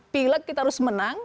pilih kita harus menang